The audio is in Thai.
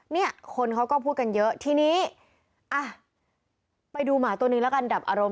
เนี่ยคนเขาก็พูดกันเยอะทีนี้อ่ะไปดูหมาตัวนึงแล้วกันดับอารมณ